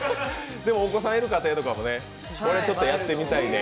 お子さんいる家庭とかもこれちょっとやってみたいね。